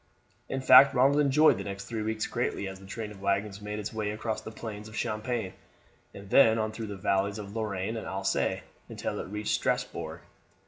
In fact Ronald enjoyed the next three weeks greatly as the train of waggons made its way across the plains of Champagne, and then on through the valleys of Lorraine and Alsace until it reached Strasbourg.